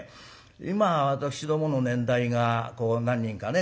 今私どもの年代がこう何人かね